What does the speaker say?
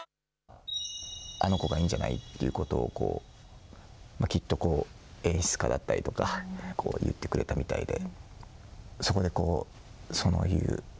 あの子がいいんじゃないということを、きっとこう、演出家だったりとか、言ってくれたみたいで。